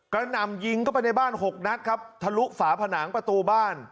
หนำยิงเข้าไปในบ้าน๖นัดครับทะลุฝาผนังประตูบ้าน